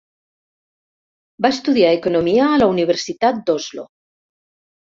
Va estudiar economia a la Universitat d'Oslo.